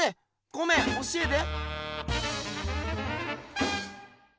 ごめん教えて。